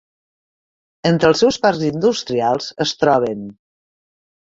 Entre els seus parcs industrials es troben: